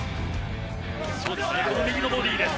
右のボディーです。